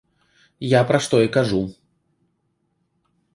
Я пра што і кажу.